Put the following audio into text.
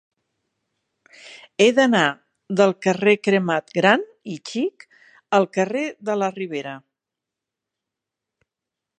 He d'anar del carrer Cremat Gran i Xic al carrer de la Ribera.